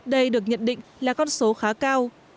đây được nhận định là con số khá cao